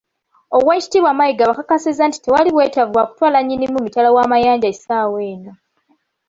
Oweekitibwa Mayiga abakakasizza nti tewali bwetaavu bwa kutwala Nnyinimu mitala w'amayanja essaawa eno